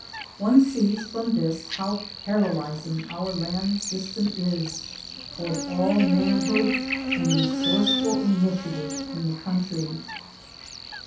One sees from this how paralysing our land system is towards all manhood and resourceful initiative in the country.